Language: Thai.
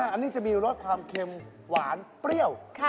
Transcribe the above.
อันนี้จะมีรสความเค็มหวานเปรี้ยว